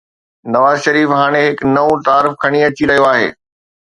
نواز شريف هاڻي هڪ نئون تعارف کڻي اچي رهيو آهي.